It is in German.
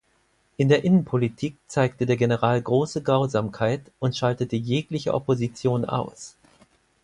In der Innenpolitik zeigte der General große Grausamkeit und schaltete jegliche Opposition aus.